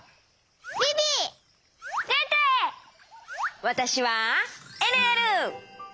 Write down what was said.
わたしはえるえる！